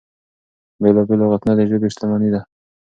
بېلا بېل لغتونه د ژبې شتمني ده.